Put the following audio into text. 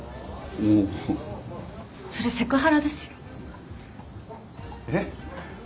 おお。それセクハラですよ。え？